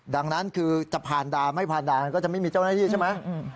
ดังนั้นคือจะผ่านด่านไม่ผ่านด่านก็จะไม่มีเจ้าหน้าที่ใช่ไหม